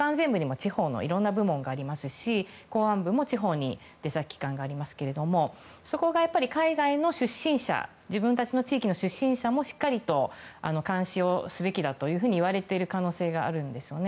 いろんな部門がありますし公安部も地方に出先機関がありますけれどもそこが海外の出身者自分たちの地域の出身者もしっかり監視すべきだと言われている可能性があるんですよね。